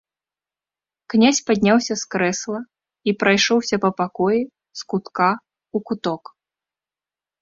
Князь падняўся з крэсла і прайшоўся па пакоі з кутка ў куток.